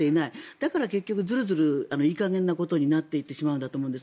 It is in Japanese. だから結局、ずるずるいい加減なことになっていってしまうんだと思うんです。